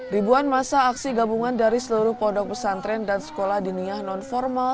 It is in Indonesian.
ribuan masa aksi gabungan dari seluruh pondok pesantren dan sekolah diniah non formal